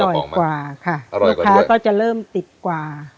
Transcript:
อร่อยกว่าค่ะลูกค้าก็จะเริ่มติดกว่า